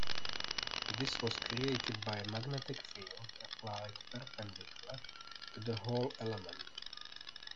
This was created by a magnetic field applied perpendicular to the Hall element.